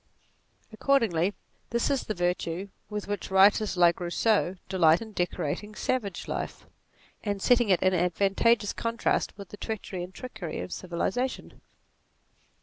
Accordingly this is the virtue with which writers like Rousseau delight in decorating savage life, and setting it in advantageous contrast with the treachery and trickery of civilization.